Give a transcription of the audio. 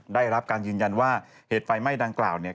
ได้รับการยืนยันว่าเหตุไฟไหม้ดังกล่าวเนี่ย